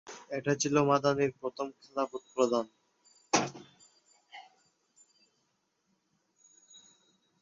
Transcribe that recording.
এটা ছিল মাদানির প্রথম খেলাফত প্রদান।